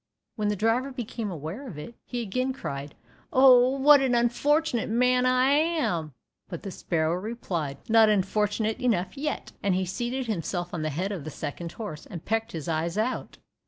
When the driver became aware of it, he again cried, "Oh, what an unfortunate man I am," but the sparrow replied, "Not unfortunate enough yet," and seated himself on the head of the second horse, and pecked his eyes out.